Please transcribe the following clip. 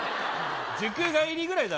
塾帰りぐらいだろ。